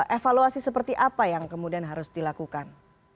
evaluasi seperti apa yang kemudian harus dilakukan